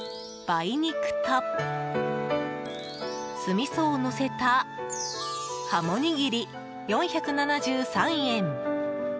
梅肉と酢みそをのせたはもにぎり、４７３円。